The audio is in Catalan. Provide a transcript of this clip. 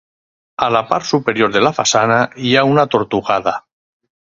A la part superior de la façana hi ha una tortugada.